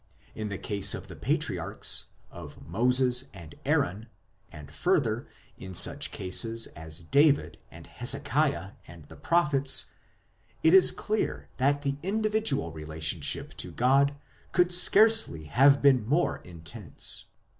In the case of the patriarchs, of Moses and Aaron, and further, in such cases as David, and Hezekiah, and the prophets, it is clear that the individual relationship to God could scarcely have been more intense.